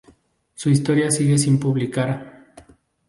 Su historia sigue sin publicar.